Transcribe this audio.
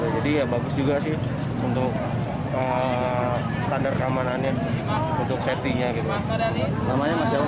jadi bagus juga sih untuk standar keamanannya untuk safety nya